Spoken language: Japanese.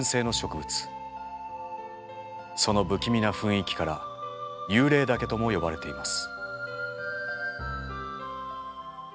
その不気味な雰囲気から幽霊茸とも呼ばれています。